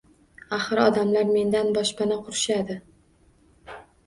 Axir odamlar mendan boshpana qurishadi